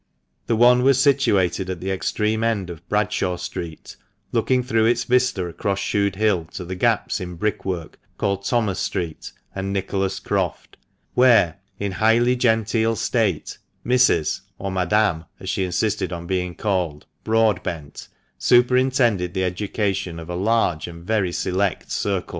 The one was situated at the extreme end of Bradshaw Street, looking through its vista across Shudehill to the gaps in brickwork called Thomas Street and Nicholas Croft, where, in highly genteel state Mrs. (or Madame, as she insisted on being called) Broadbent superintended the education of a large and very select circle.